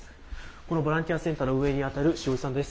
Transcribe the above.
このボランティアセンターの運営に当たる塩井さんです。